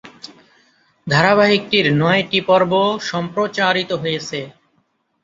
ধারাবাহিকটির নয়টি পর্ব সম্প্রচারিত হয়েছে।